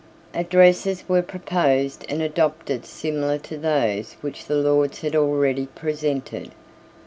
Addresses were proposed and adopted similar to those which the Lords had already presented.